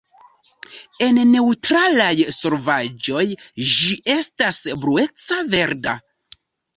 En neŭtralaj solvaĵoj ĝi estas blueca verda.